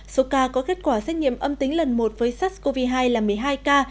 số ca có kết quả xét nghiệm âm tính lần một với sars cov hai là một mươi hai ca